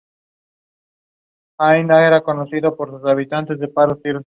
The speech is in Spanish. La racionalidad puede aplicarse a nuestras expectativas, a nuestras evaluaciones y a nuestras acciones.